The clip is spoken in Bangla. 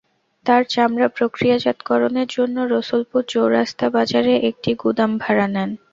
তাঁরা চামড়া প্রক্রিয়াজাত-করণের জন্য রসুলপুর চৌরাস্তা বাজারে একটি গুদাম ভাড়া নেন।